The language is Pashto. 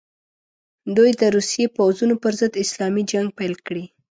دوی د روسي پوځونو پر ضد اسلامي جنګ پیل کړي.